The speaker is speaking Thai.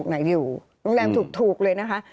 โรงแรมถูกเลยนะคะ